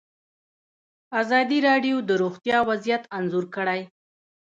ازادي راډیو د روغتیا وضعیت انځور کړی.